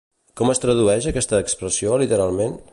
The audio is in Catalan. Com es tradueix aquesta expressió literalment?